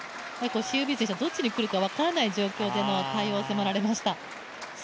シン・ユビン選手はどっちに来るか分からない状況での対応を迫られました。